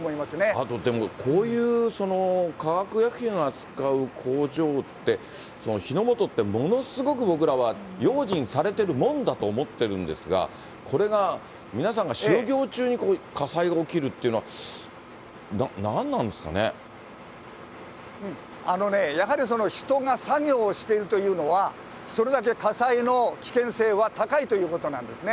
あとでも、こういう化学薬品を扱う工場って、火の元って、ものすごく僕らは用心されてるもんだと思ってるんですが、これが皆さんが就業中に火災が起きるっていうのは、あのね、やはり人が作業をしているというのは、それだけ火災の危険性は高いということなんですね。